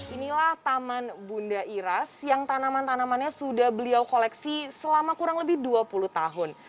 inilah taman bunda iras yang tanaman tanamannya sudah beliau koleksi selama kurang lebih dua puluh tahun